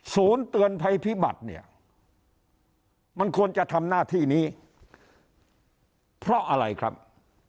ศูนย์เตือนภัยพิมพ์มันควรจะทำหน้าที่นี้เพราะอะไรครับ